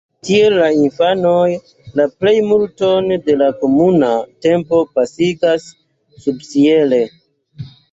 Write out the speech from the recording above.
Tie la infanoj la plejmulton de la komuna tempo pasigas subĉiele.